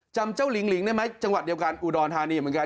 จำเจ้าหลิงหลิงได้ไหมจังหวัดเดียวกันอุดรธานีเหมือนกัน